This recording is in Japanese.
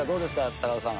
高田さん。